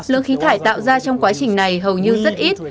lượng khí thải tạo ra trong quá trình này hầu như rất ít